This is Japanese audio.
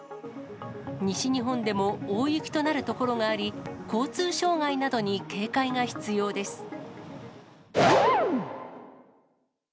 西日本でも大雪となる所があり、交通障害などに警戒が必要です。